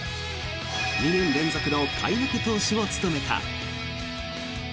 ２年連続の開幕投手を務めた。